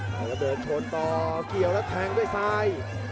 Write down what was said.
แล้วก็เดินชนต่อเกี่ยวแล้วแทงด้วยซ้าย